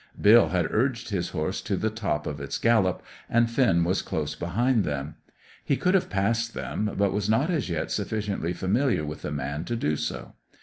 Bill had urged his horse to the top of its gallop, and Finn was close behind them. He could have passed them, but was not as yet sufficiently familiar with the man to do so.